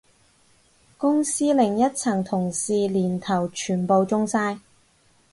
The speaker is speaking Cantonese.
公司另一層同事年頭全部中晒